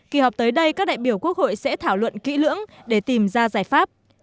kỳ họp tới đây các đại biểu quốc hội sẽ thảo luận kỹ lưỡng để tìm ra giải pháp